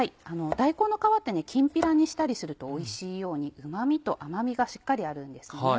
大根の皮ってきんぴらにしたりするとおいしいようにうま味と甘味がしっかりあるんですね。